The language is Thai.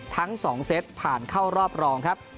ทั้ง๒เซตผ่านเข้ารอบรองครับ